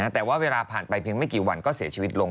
แต่ว่าเวลาผ่านไปเพียงไม่กี่วันก็เสียชีวิตลง